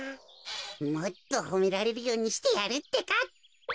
もっとほめられるようにしてやるってか。